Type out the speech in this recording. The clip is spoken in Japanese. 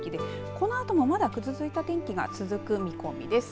このあともまだ、ぐずついた天気が続く見込みです。